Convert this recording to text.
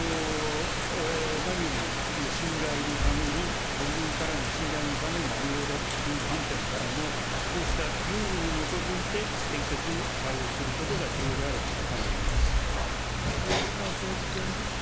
何よりも、この信頼のために、国民からの信頼のために重要だという観点からも、こうしたルールに基づいて、適切に対応することが逢坂誠二君。